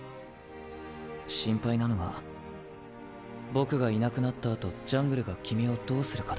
心配なのが僕がいなくなったあとジャングルが君をどうするかだ。え？